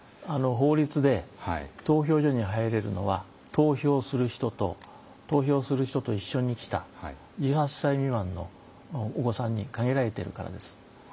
法律で投票所に入れるのは投票する人と投票する人と一緒に来た１８歳未満のお子さんに限られているからです。